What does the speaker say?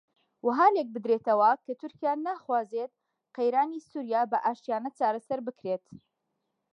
وەها لێک بدرێتەوە کە تورکیا ناخوازێت قەیرانی سووریا بە ئاشتییانە چارەسەر بکرێت